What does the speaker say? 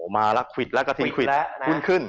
มาแล้วก็ควิดแล้วก็คุ้นขึ้น